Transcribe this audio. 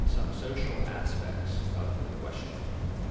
Some Social Aspects of the Question.